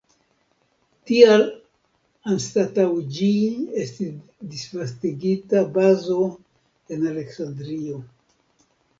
Tial anstataŭ ĝi estis disvastigata bazo en Aleksandrio.